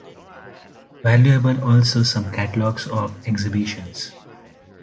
Valuable also some catalogs of exhibitions.